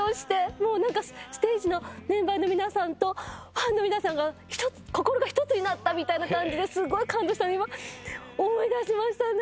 もうなんかステージのメンバーの皆さんとファンの皆さんが心が１つになったみたいな感じですごい感動したのを今思い出しましたね。